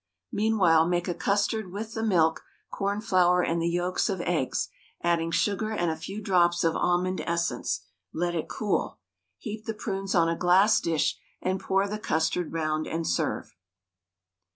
Meanwhile make a custard with the milk, cornflour, and the yolks of eggs, adding sugar and a few drops of almond essence; let it cool. Heap the prunes on a glass dish and pour the custard round, and serve.